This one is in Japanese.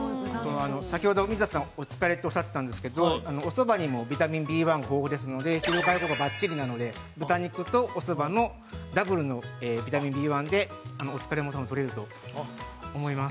◆先ほど水田さん、お疲れっておっしゃっていたんですけど、おそばにも、ビタミンＢ１がほうなのので、効果がばっちりなので豚肉とおそばのダブルの効果でお疲れも取れると思います。